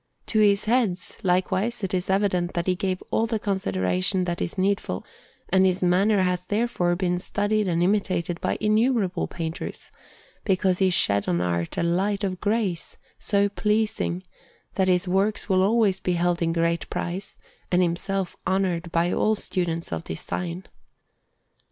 To his heads, likewise, it is evident that he gave all the consideration that is needful; and his manner has therefore been studied and imitated by innumerable painters, because he shed on art a light of grace so pleasing, that his works will always be held in great price, and himself honoured by all students of design.